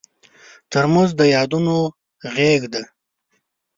ترموز د یادونو غېږ ده.